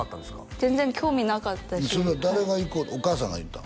全然興味なかったしそれは誰がいこうお母さんが言ったん？